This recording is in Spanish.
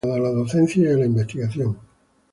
Está incorporada a la docencia y a la investigación.